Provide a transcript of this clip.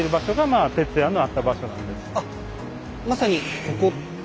あまさにここ。